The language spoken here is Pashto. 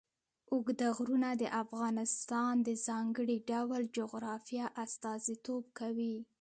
اوږده غرونه د افغانستان د ځانګړي ډول جغرافیه استازیتوب کوي.